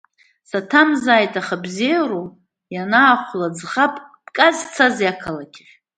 Саҭамзааит, аха бзиароу, ианыхәла ӡӷабк бказцозеи ақалақь ахь?